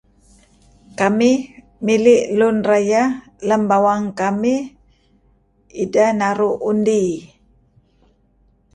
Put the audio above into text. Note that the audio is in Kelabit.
Kamih mili' lun rayah lem bawang kamih ideh naru' undi .